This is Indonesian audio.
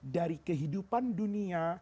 dari kehidupan dunia